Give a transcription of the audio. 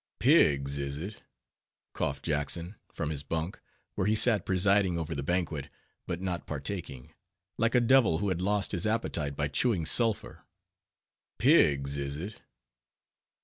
"Pigs, is it?" coughed Jackson, from his bunk, where he sat presiding over the banquet, but not partaking, like a devil who had lost his appetite by chewing sulphur.—"Pigs, is it?